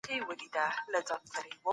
خنجر صاحب ډېر محترم و.